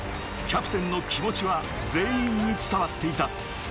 キャプテンの気持ちは全員に伝わっていた。